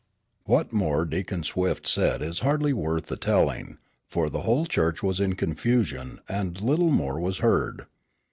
What more Deacon Swift said is hardly worth the telling, for the whole church was in confusion and little more was heard.